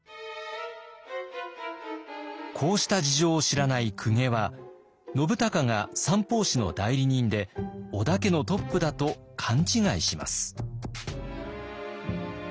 こうした事情を知らない公家は信孝が三法師の代理人で織田家のトップだと勘違いします。